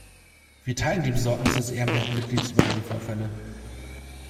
Wir teilen die Besorgnis des ehrenwerten Mitglieds über diese Vorfälle.